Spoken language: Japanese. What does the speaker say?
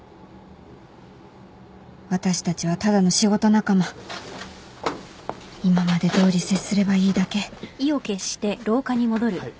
私たちはただの仕事仲間今までどおり接すればいいだけはい。